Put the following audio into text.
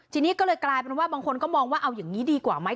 ทีนี้ก็เลยกลายเป็นว่าบางคนก็มองว่าเอาอย่างนี้ดีกว่าไหม